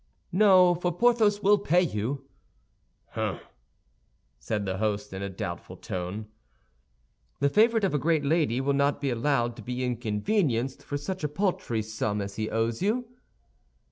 "No, for Porthos will pay you." "Hum!" said the host, in a doubtful tone. "The favorite of a great lady will not be allowed to be inconvenienced for such a paltry sum as he owes you."